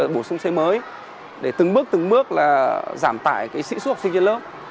bổ sung xây mới để từng bước từng bước là giảm tải cái sĩ xuất học sinh trên lớp